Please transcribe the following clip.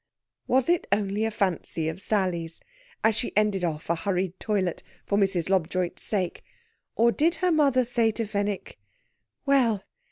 Was it only a fancy of Sally's, as she ended off a hurried toilet, for Mrs. Lobjoit's sake, or did her mother say to Fenwick, "Well!